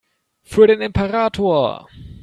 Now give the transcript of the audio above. Für den Imperator!